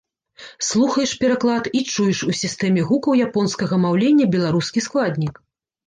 Слухаеш пераклад і чуеш у сістэме гукаў японскага маўлення беларускі складнік.